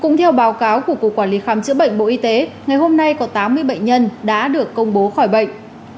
cũng theo báo cáo của cục quản lý khám chữa bệnh bộ y tế ngày hôm nay có tám mươi bệnh nhân đã được công bố khỏi bệnh